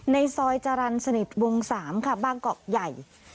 ในซอยจรรย์สนิทวง๓ค่ะบางเกาะใหญ่